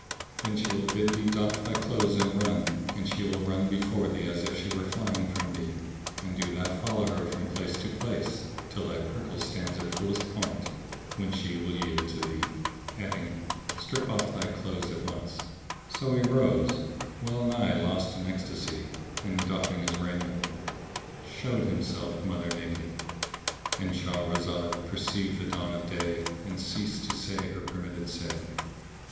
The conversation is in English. [FN#647] Then she will bid thee doff thy clothes and run; and she will run before thee as if she were flying from thee; and do thou follow her from place to place till thy prickle stands at fullest point, when she will yield to thee;"[FN#648] adding, "Strip off thy clothes at once." So he rose, well nigh lost in ecstasy and, doffing his raiment, showed himself mother naked.—And Shahrazad perceived the dawn of day and ceased to say her permitted say.